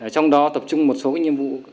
trong đó tập trung một số nhiệm vụ